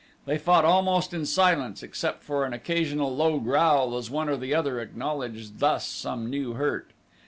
They fought almost in silence except for an occasional low growl as one or the other acknowledged thus some new hurt.